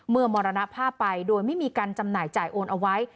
มรณภาพไปโดยไม่มีการจำหน่ายจ่ายโอนเอาไว้